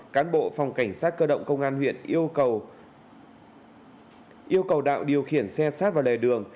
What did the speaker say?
cán bộ phòng cảnh sát cơ động công an huyện yêu cầu yêu cầu đạo điều khiển xe sát vào lề đường